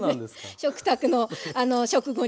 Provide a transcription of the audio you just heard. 食卓のあの食後に。